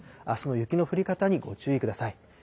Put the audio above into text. あすの雪の降り方にご注意ください。